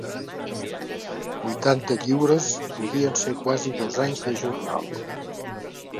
Vuitanta lliures podien ser quasi dos anys de jornal.